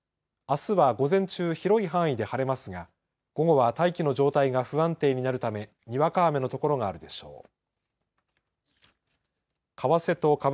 あすは午前中、広い範囲で晴れますが午後は大気の状態が不安定になるため、にわか雨の所があるでしょう。